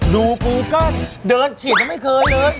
โรวกูก็เดินฉีดก็ไม่เคยเดิน